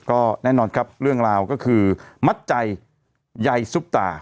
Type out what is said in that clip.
ก็แน่นอนครับเรื่องราวก็คือมัดใจใยซุปตา